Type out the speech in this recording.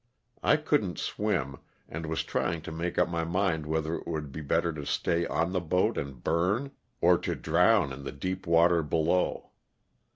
I couldn't swim, and was trying to make up my mind whether it would be better to stay on the boat and burn or to drown in the deep water below.